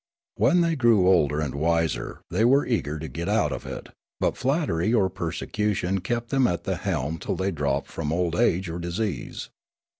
When they grew older and wiser the} were eager to get out of it, but flattery or persecution kept them at the helm till they dropped from old age or disease.